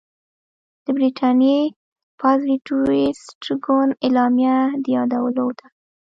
د برټانیې پازیټویسټ ګوند اعلامیه د یادولو ده.